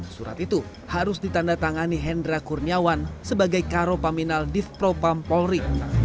surat itu harus ditanda tangani hendra kurniawan sebagai karopaminal divpropam polri